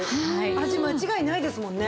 味間違いないですもんね。